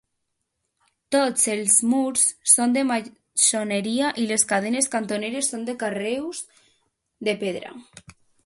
Tots els murs són de maçoneria i les cadenes cantoneres són de carreus de pedra.